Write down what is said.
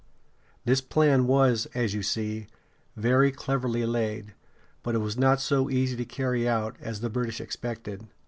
This plan was, as you see, very cleverly laid; but it was not so easy to carry out as the British expected.